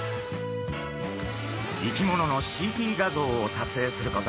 生き物のＣＴ画像を撮影すること。